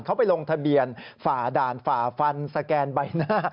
เขาไปลงทะเบียนฝ่าด่านฝ่าฟันสแกนใบหน้า